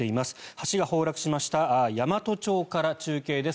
橋が崩落しました山都町から中継です。